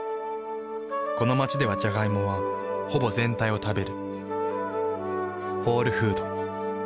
この街ではジャガイモはほぼ全体を食べる。